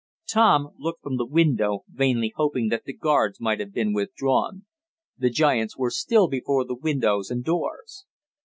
Tom looked from the window, vainly hoping that the guards might have been withdrawn. The giants were still before the windows and doors.